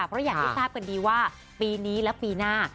เพราะอย่างที่ทราบกันดีว่าปีนี้และปีหน้า